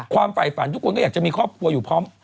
ฝ่ายฝันทุกคนก็อยากจะมีครอบครัวอยู่พร้อม